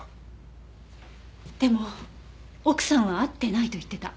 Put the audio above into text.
でも奥さんは会ってないと言ってた。